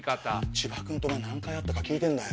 千葉君とは何回会ったか聞いてんだよ。